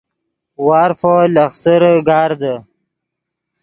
وارفو لخسرے گاردے